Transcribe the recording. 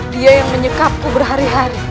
dia yang menyekapku berhari hari